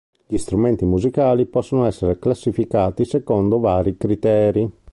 Gli strumenti musicali possono esser classificati secondo vari criteri.